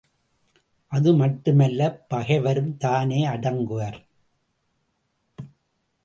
அதுமட்டுமல்ல பகைவரும் தானே அடங்குவர்.